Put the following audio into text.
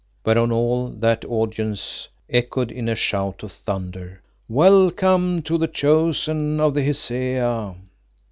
whereon all that audience echoed in a shout of thunder "Welcome to the Chosen of the Hesea!"